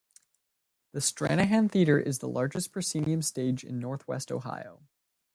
The Stranahan Theater is the largest proscenium stage in Northwest Ohio.